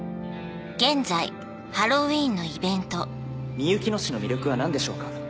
みゆきの市の魅力は何でしょうか？